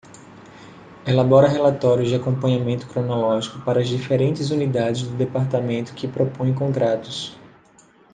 Elabora relatórios de acompanhamento cronológico para as diferentes unidades do Departamento que propõem contratos.